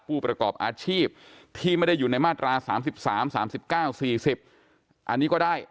ผู้ประกอบอาชีพที่ไม่ได้อยู่ในมาตราสามสิบสามสามสิบเก้าสี่สิบอันนี้ก็ได้